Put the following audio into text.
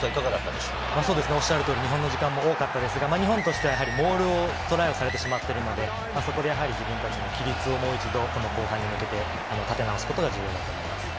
おっしゃる通り日本の時間も多かったですし、日本としてはモールを、トライをされてしまっているので、そこで自分たちの規律をもう一度、後半に向けて立て直すことが重要だと思います。